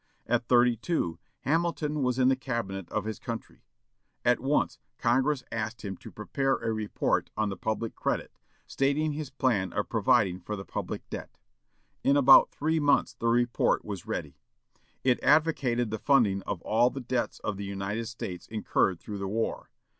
At thirty two Hamilton was in the Cabinet of his country. At once Congress asked him to prepare a report on the public credit, stating his plan of providing for the public debt. In about three months the report was ready. It advocated the funding of all the debts of the United States incurred through the war.